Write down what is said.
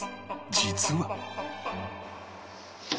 実は